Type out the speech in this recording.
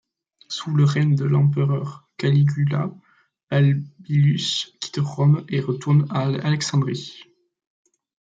Sous le règne de l’empereur Caligula, Balbillus quitte Rome et retourne à Alexandrie.